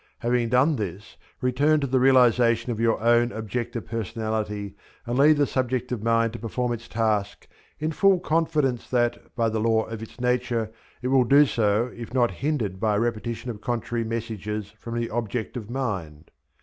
Having done this return to the realization of your own objective personality and leave the subjective mind to perform its task in full confidence that, by the law of its nature, it will do so if not hindered by a repetition of contrary messages from the objective mind.